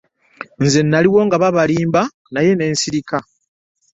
Nze nnaliwo nga babalimba naye ne nsirika.